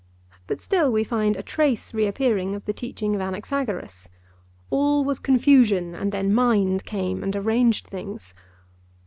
But still we find a trace reappearing of the teaching of Anaxagoras: 'All was confusion, and then mind came and arranged things.